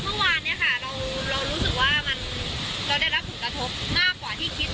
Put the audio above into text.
เมื่อวานเนี่ยค่ะเรารู้สึกว่าเราได้รับผลกระทบมากกว่าที่คิด